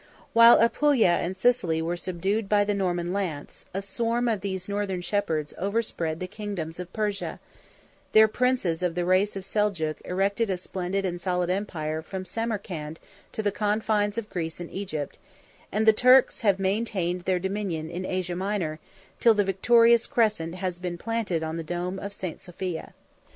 While Apulia and Sicily were subdued by the Norman lance, a swarm of these northern shepherds overspread the kingdoms of Persia; their princes of the race of Seljuk erected a splendid and solid empire from Samarcand to the confines of Greece and Egypt; and the Turks have maintained their dominion in Asia Minor, till the victorious crescent has been planted on the dome of St. Sophia.